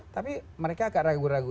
tapi mereka agak ragu ragu